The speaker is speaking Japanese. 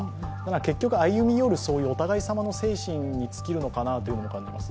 結局、歩み寄るお互いさまの精神に尽きるのかなと思います。